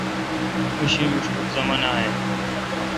اں شی مشٹوک زُمان اے°۔